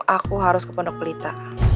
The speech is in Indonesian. aku harus ke pondok pelita